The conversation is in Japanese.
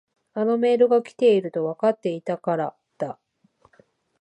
あのメールが来ているとわかっていたからだ。